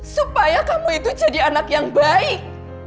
supaya kamu itu jadi anak yang baik